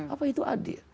apa itu adil